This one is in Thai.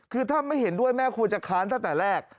คือถ้าไม่เห็นด้วยแม่ควรจะค้านตั้งแต่แรก